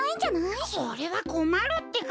それはこまるってか。